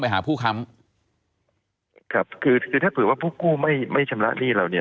หาผู้ค้ำครับคือคือถ้าเผื่อว่าผู้กู้ไม่ไม่ชำระหนี้เราเนี่ย